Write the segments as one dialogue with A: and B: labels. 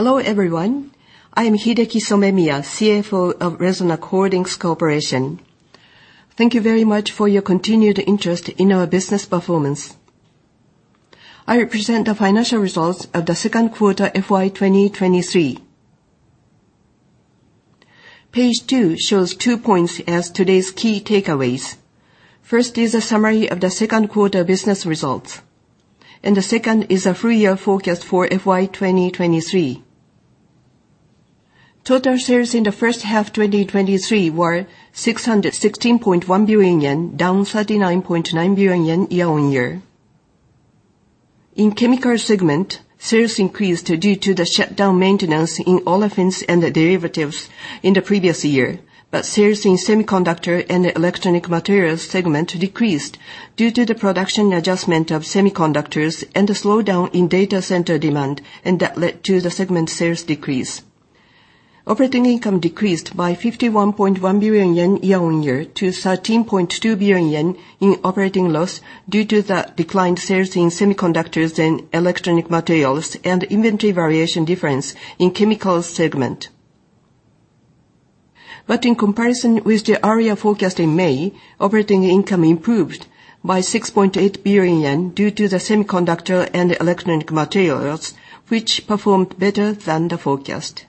A: Hello everyone. I am Hideki Somemiya, CFO of Resonac Holdings Corporation. Thank you very much for your continued interest in our business performance. I represent the financial results of the second quarter FY 2023. Page two shows two points as today's key takeaways. First is a summary of the second quarter business results. The second is a full year forecast for FY 2023. Total sales in the first half 2023 were 616.1 billion yen, down 39.9 billion yen year on year. In Chemicals segment, sales increased due to the shutdown maintenance in Olefins and Derivatives in the previous year. Sales in Semiconductor and Electronic Materials segment decreased due to the production adjustment of semiconductors and the slowdown in data center demand. That led to the segment sales decrease. Operating income decreased by 51.1 billion yen year on year to 13.2 billion yen in operating loss due to the declined sales in Semiconductor and Electronic Materials, and inventory variation difference in Chemicals segment. In comparison with the earlier forecast in May, operating income improved by 6.8 billion yen due to the Semiconductor and Electronic Materials, which performed better than the forecast.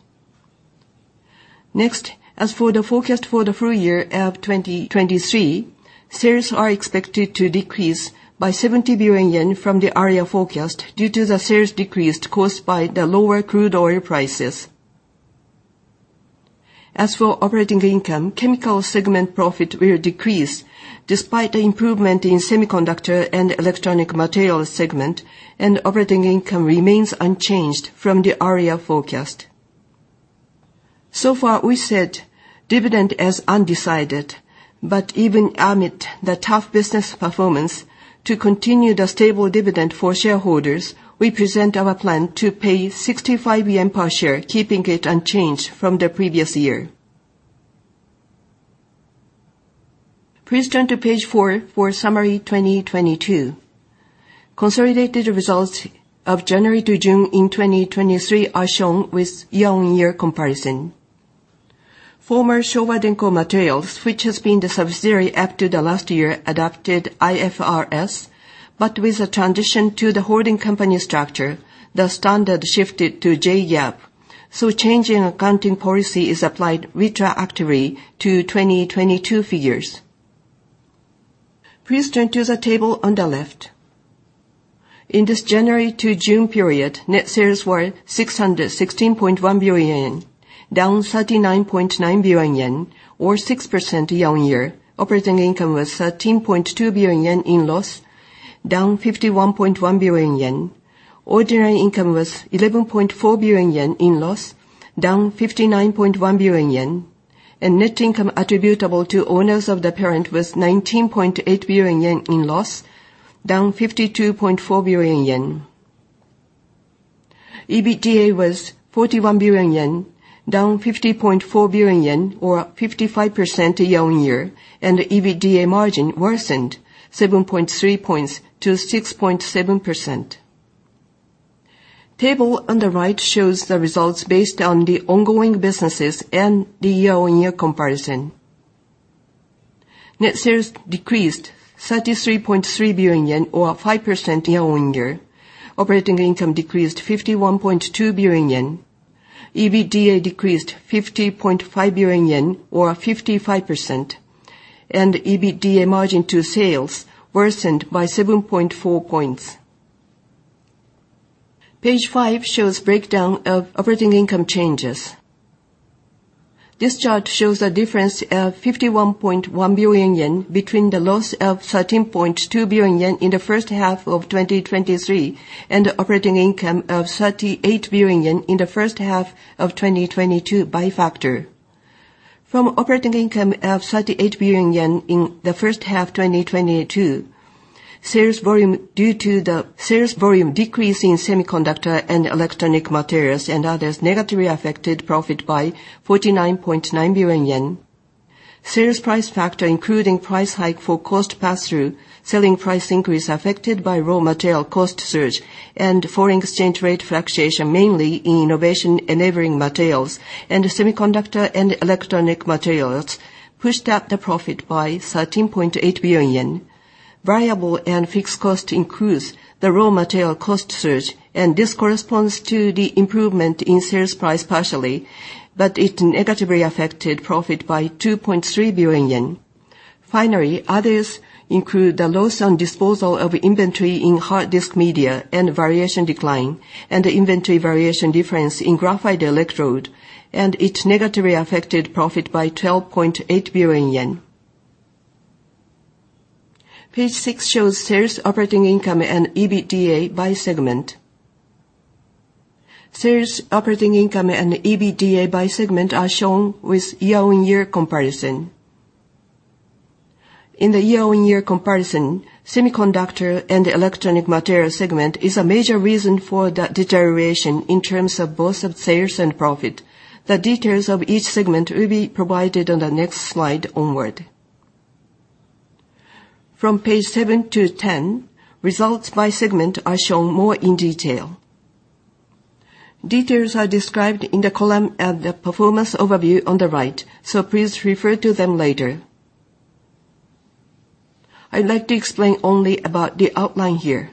A: Next, as for the forecast for the full year of 2023, sales are expected to decrease by 70 billion yen from the earlier forecast due to the sales decreased caused by the lower crude oil prices. As for operating income, Chemicals segment profit will decrease despite the improvement in Semiconductor and Electronic Materials segment. Operating income remains unchanged from the earlier forecast. So far, we set dividend as undecided. Even amid the tough business performance, to continue the stable dividend for shareholders, we present our plan to pay 65 yen per share, keeping it unchanged from the previous year. Please turn to page four for summary 2022. Consolidated results of January to June in 2023 are shown with year-on-year comparison. Former Showa Denko Materials, which has been the subsidiary up to the last year, adopted IFRS. With the transition to the holding company structure, the standard shifted to GAAP. Change in accounting policy is applied retroactively to 2022 figures. Please turn to the table on the left. In this January to June period, net sales were 616.1 billion yen, down 39.9 billion yen, or 6% year on year. Operating income was 13.2 billion yen in loss, down 51.1 billion yen. Ordinary income was 11.4 billion yen in loss, down 59.1 billion yen. Net income attributable to owners of the parent was 19.8 billion yen in loss, down 52.4 billion yen. EBITDA was 41 billion yen, down 50.4 billion yen or 55% year on year. The EBITDA margin worsened 7.3 points to 6.7%. Table on the right shows the results based on the ongoing businesses and the year-on-year comparison. Net sales decreased 33.3 billion yen, or 5% year on year. Operating income decreased 51.2 billion yen. EBITDA decreased 50.5 billion yen, or 55%. EBITDA margin to sales worsened by 7.4 points. Page five shows breakdown of operating income changes. This chart shows a difference of 51.1 billion yen between the loss of 13.2 billion yen in the first half of 2023 and operating income of 38 billion yen in the first half of 2022 by factor. From operating income of 38 billion yen in the first half 2022, sales volume due to the sales volume decrease in Semiconductor and Electronic Materials and others negatively affected profit by 49.9 billion yen. Sales price factor, including price hike for cost pass-through, selling price increase affected by raw material cost surge, and foreign exchange rate fluctuation, mainly in Innovation Enabling Materials and Semiconductor and Electronic Materials, pushed up the profit by 13.8 billion yen. Variable and fixed cost increase, the raw material cost surge, and this corresponds to the improvement in sales price partially, but it negatively affected profit by 2.3 billion yen. Finally, others include the loss on disposal of inventory in hard disk media and variation decline, and the inventory variation difference in graphite electrode, and it negatively affected profit by 12.8 billion yen. Page six shows sales operating income and EBITDA by segment. Sales operating income and EBITDA by segment are shown with year-on-year comparison. In the year-on-year comparison, Semiconductor and Electronic Materials segment is a major reason for the deterioration in terms of both sales and profit. The details of each segment will be provided on the next slide onward. From page 7 to 10, results by segment are shown more in detail. Details are described in the column of the performance overview on the right, so please refer to them later. I'd like to explain only about the outline here.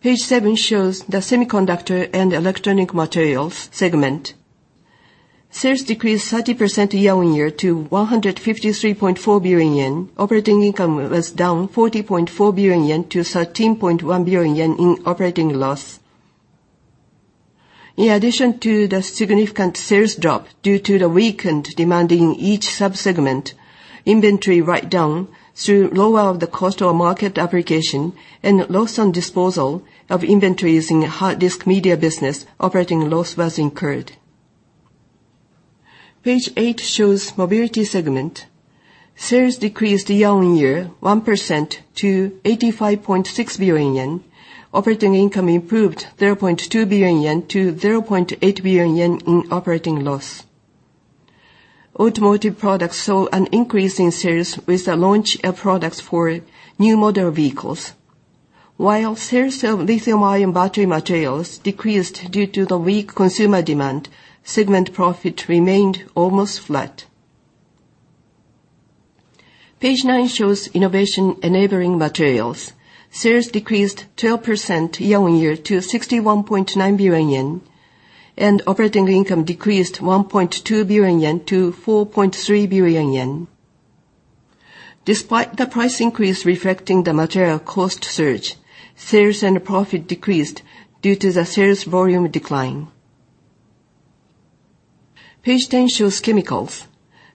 A: Page 7 shows the Semiconductor and Electronic Materials segment. Sales decreased 30% year-on-year to 153.4 billion yen. Operating income was down 40.4 billion yen to 13.1 billion yen in operating loss. In addition to the significant sales drop due to the weakened demand in each sub-segment, inventory write-down through lower of the cost or market application, and loss on disposal of inventories in hard disk media business, operating loss was incurred. Page 8 shows Mobility segment. Sales decreased year-on-year 1% to 85.6 billion yen. Operating income improved 0.2 billion yen to 0.8 billion yen in operating loss. Automotive products saw an increase in sales with the launch of products for new model vehicles. While sales of lithium-ion battery materials decreased due to the weak consumer demand, segment profit remained almost flat. Page 9 shows Innovation Enabling Materials. Sales decreased 12% year-on-year to 61.9 billion yen, and operating income decreased 1.2 billion yen to 4.3 billion yen. Despite the price increase reflecting the material cost surge, sales and profit decreased due to the sales volume decline. Page 10 shows chemicals.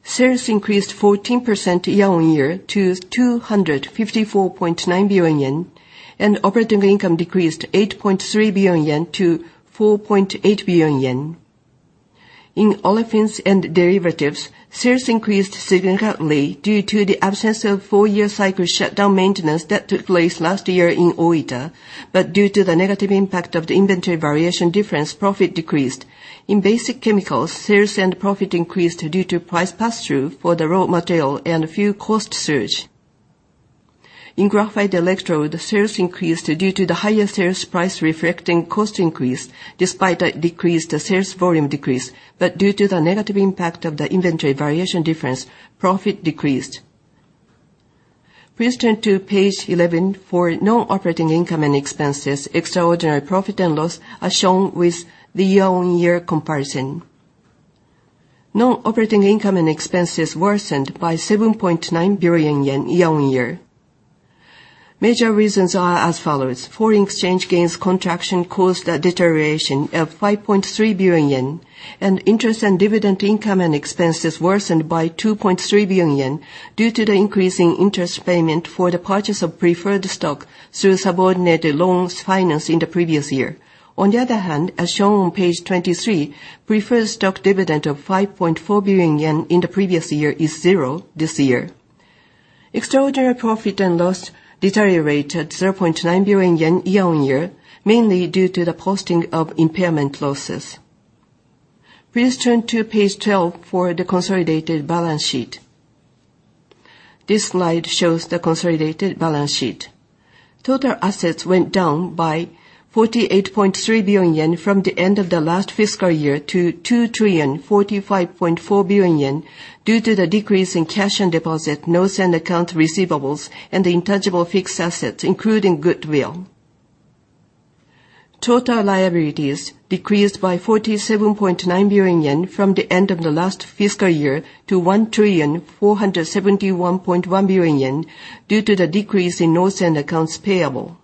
A: Sales increased 14% year-on-year to 254.9 billion yen, and operating income decreased 8.3 billion yen to 4.8 billion yen. In Olefins and Derivatives, sales increased significantly due to the absence of four-year cycle shutdown maintenance that took place last year in Ōita. Due to the negative impact of the inventory variation difference, profit decreased. In Basic Chemicals, sales and profit increased due to price pass-through for the raw material and a few cost surge. In graphite electrode, sales increased due to the higher sales price reflecting cost increase, despite a decrease, the sales volume decreased. Due to the negative impact of the inventory variation difference, profit decreased. Please turn to page 11 for non-operating income and expenses. Extraordinary profit and loss are shown with the year-on-year comparison. Non-operating income and expenses worsened by 7.9 billion yen year-on-year. Major reasons are as follows: foreign exchange gains contraction caused a deterioration of 5.3 billion yen, interest and dividend income and expenses worsened by 2.3 billion yen due to the increase in interest payment for the purchase of preferred stock through subordinated loans financed in the previous year. On the other hand, as shown on page 23, preferred stock dividend of 5.4 billion yen in the previous year is 0 this year. Extraordinary profit and loss deteriorated 0.9 billion yen year-on-year, mainly due to the posting of impairment losses. Please turn to page 12 for the consolidated balance sheet. This slide shows the consolidated balance sheet. Total assets went down by 48.3 billion yen from the end of the last fiscal year to 2,045.4 billion yen due to the decrease in cash and deposit, notes and account receivables, and the intangible fixed assets, including goodwill. Total liabilities decreased by 47.9 billion yen from the end of the last fiscal year to 1,471.1 billion yen due to the decrease in notes and accounts payable.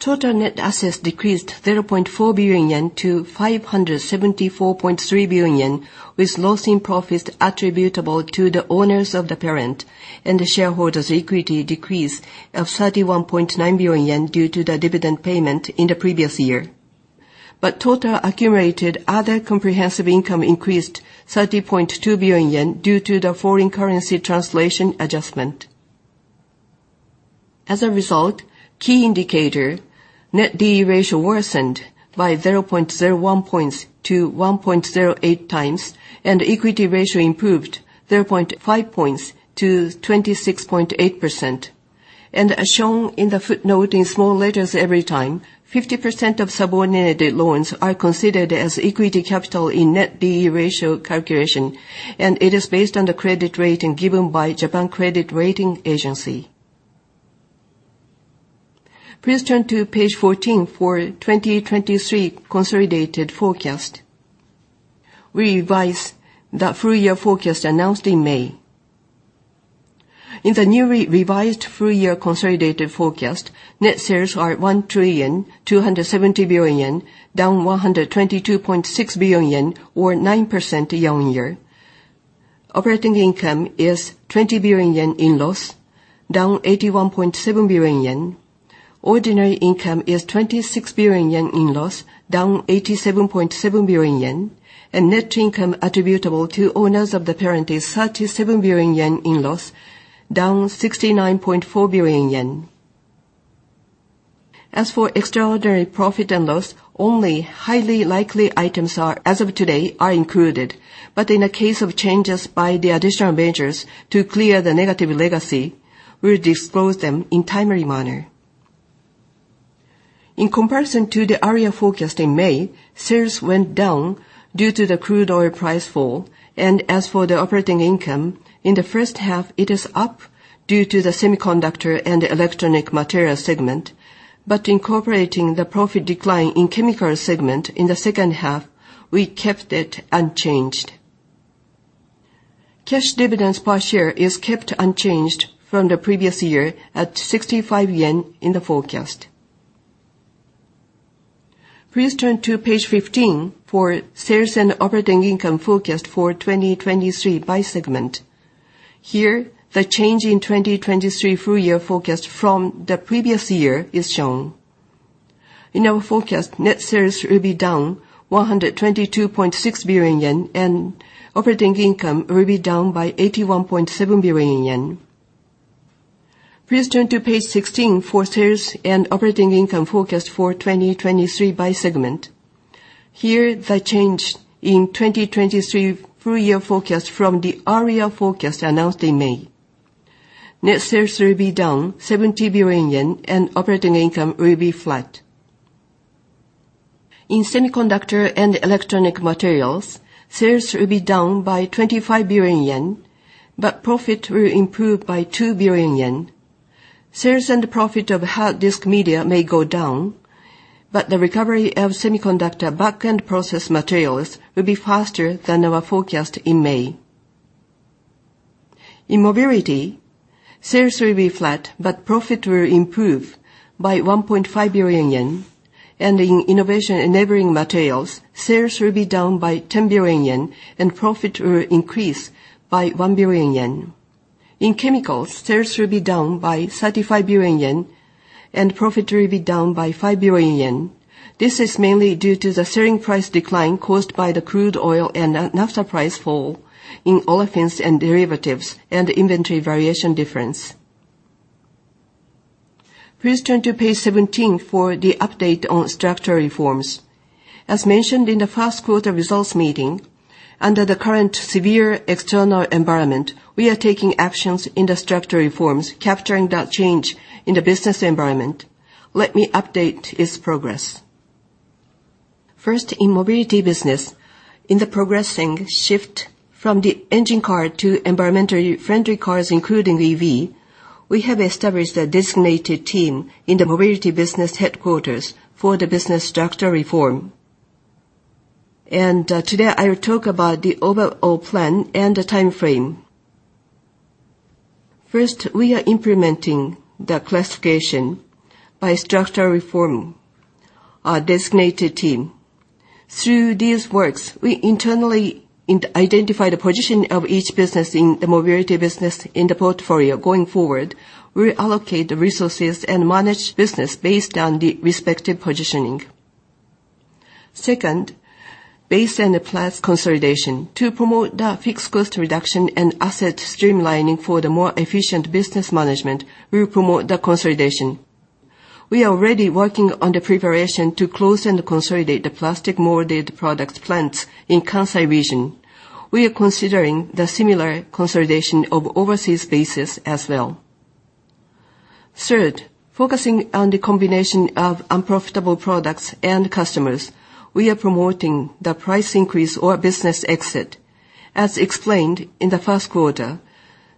A: Total net assets decreased 0.4 billion yen to 574.3 billion yen, with loss in profits attributable to the owners of the parent and the shareholders' equity decrease of 31.9 billion yen due to the dividend payment in the previous year. Total accumulated other comprehensive income increased 30.2 billion yen due to the foreign currency translation adjustment. As a result, key indicator net D/E ratio worsened by 0.01 points to 1.08 times, and equity ratio improved 0.5 points to 26.8%. As shown in the footnote in small letters every time, 50% of subordinated loans are considered as equity capital in net D/E ratio calculation, and it is based on the credit rating given by Japan Credit Rating Agency. Please turn to page 14 for 2023 consolidated forecast. We revised the full-year forecast announced in May. In the newly revised full-year consolidated forecast, net sales are 1,270 billion, down 122.6 billion or 9% year-on-year. Operating income is 20 billion yen in loss, down 81.7 billion yen. Ordinary income is 26 billion yen in loss, down 87.7 billion yen. Net income attributable to owners of the parent is 37 billion yen in loss, down 69.4 billion yen. As for extraordinary profit and loss, only highly likely items, as of today, are included. In the case of changes by the additional ventures to clear the negative legacy, we'll disclose them in timely manner. In comparison to the earlier forecast in May, sales went down due to the crude oil price fall. As for the operating income, in the first half, it is up due to the Semiconductor and Electronic Materials segment. Incorporating the profit decline in Chemicals segment in the second half, we kept it unchanged. Cash dividends per share is kept unchanged from the previous year at 65 yen in the forecast. Please turn to page 15 for sales and operating income forecast for 2023 by segment. Here, the change in 2023 full-year forecast from the previous year is shown. In our forecast, net sales will be down 122.6 billion yen and operating income will be down by 81.7 billion yen. Please turn to page 16 for sales and operating income forecast for 2023 by segment. Here, the change in 2023 full-year forecast from the earlier forecast announced in May. Net sales will be down 70 billion yen, and operating income will be flat. In Semiconductor and Electronic Materials, sales will be down by 25 billion yen, but profit will improve by 2 billion yen. Sales and profit of hard disk media may go down, but the recovery of semiconductor back-end process materials will be faster than our forecast in May. In Mobility, sales will be flat, but profit will improve by 1.5 billion yen. In Innovation Enabling Materials, sales will be down by 10 billion yen, and profit will increase by 1 billion yen. In chemicals, sales will be down by 35 billion yen, and profit will be down by 5 billion yen. This is mainly due to the selling price decline caused by the crude oil and naphtha price fall in Olefins and Derivatives and inventory variation difference. Please turn to page 17 for the update on structural reforms. As mentioned in the first quarter results meeting, under the current severe external environment, we are taking actions in the structural reforms, capturing that change in the business environment. Let me update its progress. First, in Mobility business, in the progressing shift from the engine car to environmental friendly cars, including EV, we have established a designated team in the Mobility business headquarters for the business structural reform. Today, I will talk about the overall plan and the timeframe. First, we are implementing the classification by structural reform, our designated team. Through these works, we internally identify the position of each business in the Mobility business in the portfolio. Going forward, we'll allocate the resources and manage business based on the respective positioning. Second, base and the plans consolidation. To promote the fixed cost reduction and asset streamlining for the more efficient business management, we will promote the consolidation. We are already working on the preparation to close and consolidate the plastic molded product plants in Kansai region. We are considering the similar consolidation of overseas bases as well. Third, focusing on the combination of unprofitable products and customers, we are promoting the price increase or business exit. As explained in the first quarter,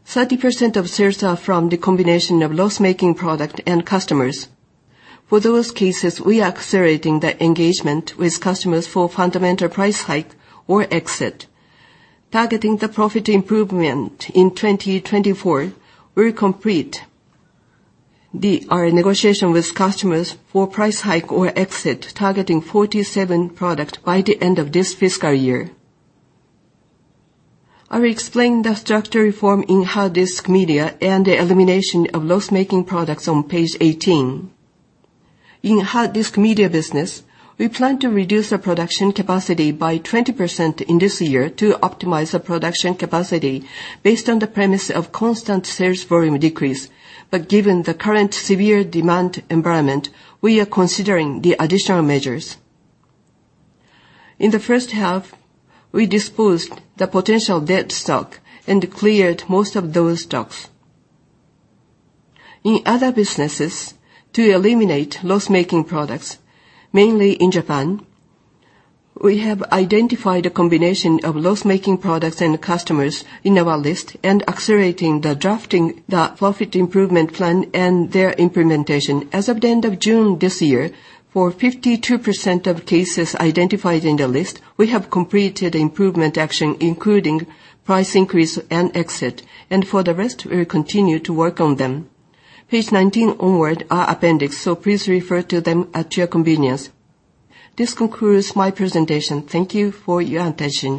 A: 30% of sales are from the combination of loss-making product and customers. For those cases, we are accelerating the engagement with customers for fundamental price hike or exit. Targeting the profit improvement in 2024, we'll complete our negotiation with customers for price hike or exit, targeting 47 product by the end of this fiscal year. I will explain the structural reform in hard disk media and the elimination of loss-making products on page 18. In hard disk media business, we plan to reduce our production capacity by 20% in this year to optimize our production capacity based on the premise of constant sales volume decrease. Given the current severe demand environment, we are considering the additional measures. In the first half, we disposed the potential dead stock and cleared most of those stocks. In other businesses, to eliminate loss-making products, mainly in Japan, we have identified a combination of loss-making products and customers in our list and accelerating the drafting the profit improvement plan and their implementation. As of the end of June this year, for 52% of cases identified in the list, we have completed improvement action, including price increase and exit. For the rest, we will continue to work on them. Page 19 onward are appendix, so please refer to them at your convenience. This concludes my presentation. Thank you for your attention.